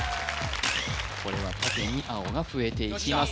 これは縦に青が増えていきます